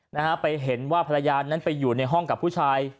นะฮะไปเห็นว่าภรรยานั้นไปอยู่ในห้องกับผู้ชาย